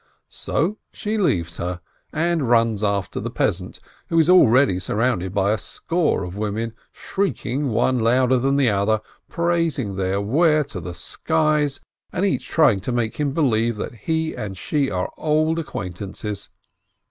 So she leaves her, and runs after the peasant, who is already surrounded by a score of women, shrieking, one louder than the other, praising their ware to the skies, and each trying to make him believe that he and she are old acquaintances.